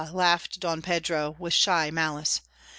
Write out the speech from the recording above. laughed Don Pedro, with shy malice.